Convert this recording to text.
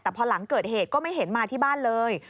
แต่พอหลังเกิดเหตุก็ไม่เห็นมาที่บ้านเลย